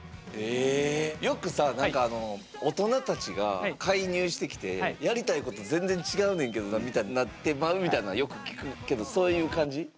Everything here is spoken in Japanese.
よくさあなんかあの大人たちが介入してきてやりたいこと全然違うねんけどなみたいになってまうみたいなんよく聞くけどそういう感じ？